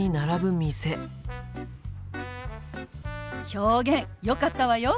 表現よかったわよ！